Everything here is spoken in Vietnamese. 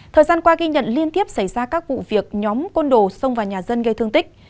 thời gian qua ghi nhận liên tiếp xảy ra các vụ việc nhóm côn đồ xông vào nhà dân gây thương tích